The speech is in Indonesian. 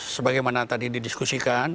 sebagaimana tadi didiskusikan